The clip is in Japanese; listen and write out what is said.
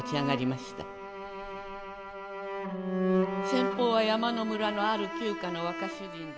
先方は山野村の或る旧家の若主人で」。